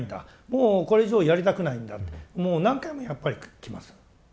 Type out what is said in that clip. もうこれ以上やりたくないんだってもう何回もやっぱりきます。